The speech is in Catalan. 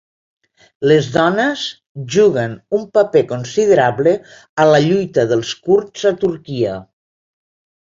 Les dones juguen un paper considerable a la lluita dels kurds a Turquia.